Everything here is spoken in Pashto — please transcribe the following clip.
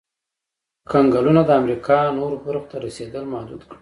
کنګلونو د امریکا نورو برخو ته رسېدل محدود کړل.